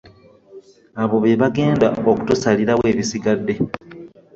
Abo be bagenda okutusalirawo ebisigadde.